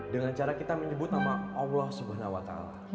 dengan cara kita menyebut nama allah swt